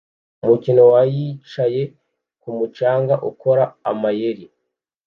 Umukino wa yicaye kumu canga ukora amayeri